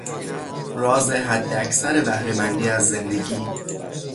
راز حداکثر بهرهمندی از زندگی